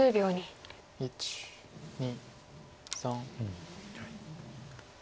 １２３。